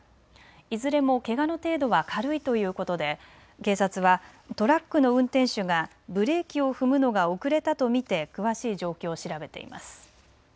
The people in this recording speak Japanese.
いずれもけがの程度は軽いということで警察はトラックの運転手がブレーキを踏むのが遅れたと見て詳しい状況を調べています。